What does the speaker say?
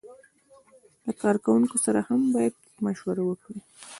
له کارکوونکو سره هم باید مشوره وکړي.